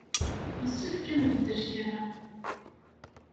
Yessefk ad nbeddel kra.